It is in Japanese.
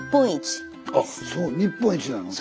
あっそう日本一なの？